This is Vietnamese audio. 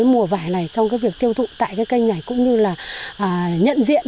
mùa vải này trong việc tiêu thụ tại kênh này cũng như là nhận diện